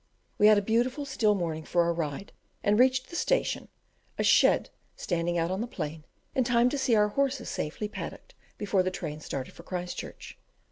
We had a beautiful, still morning for our ride, and reached the station a shed standing out on the plain in time to see our horses safely paddocked before the train started for Christchurch.